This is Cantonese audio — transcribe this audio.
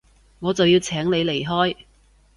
我就要請你離開